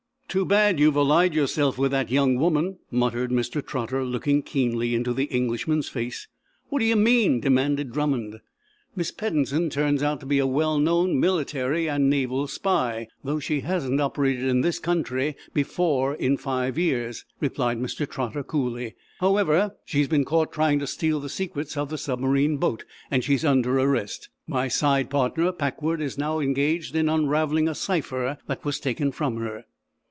"Too bad you've allied yourself with that young woman," muttered Mr. Trotter looking keenly into the Englishman's face. "What d'ye mean?" demanded Drummond. "Miss Peddensen turns out to be a well known military and naval spy, though she hasn't operated in this country before in five years," replied Mr. Trotter, coolly. "However, she has been caught trying to steal the secrets of the submarine boat, and she's under arrest. My side partner, Packwood, is now engaged in unraveling a cipher that was taken from her."